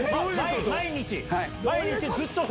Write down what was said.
毎日？